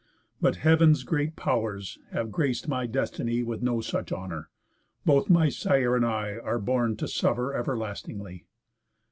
But Heav'n's great Pow'rs have grac'd my destiny With no such honour. Both my sire and I Are born to suffer everlastingly."